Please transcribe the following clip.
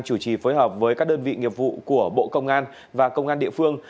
chủ trì phối hợp với các đơn vị nghiệp vụ của bộ công an và công an địa phương